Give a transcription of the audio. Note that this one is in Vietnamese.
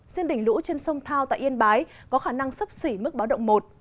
riêng đỉnh lũ trên sông thao tại yên bái có khả năng sấp xỉ mức báo động một